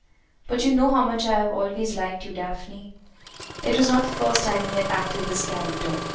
But you know how much I have always liked you, Daphne." It was not the first time he had acted this character.